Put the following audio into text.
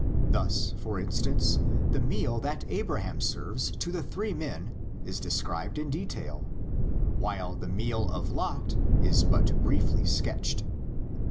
Thus, for instance, the meal that Abraham serves to the three men is described in detail, while the meal of Lot is but briefly sketched.